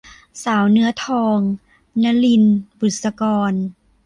สาวเนื้อทอง - นลิน บุษกร